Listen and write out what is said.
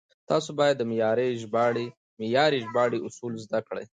تاسو بايد د معياري ژباړې اصول زده کړئ.